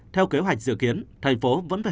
theo kế hoạch dự kiến thành phố vẫn phải